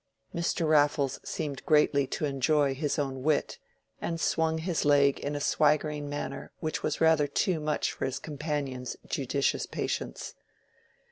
Mr. Raffles seemed greatly to enjoy his own wit, and swung his leg in a swaggering manner which was rather too much for his companion's judicious patience.